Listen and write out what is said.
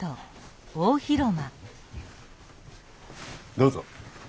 どうぞ。